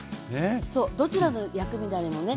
どちらの薬味だれもね